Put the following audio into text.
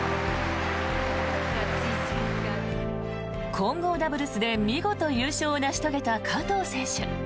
混合ダブルスで見事優勝を成し遂げた加藤選手。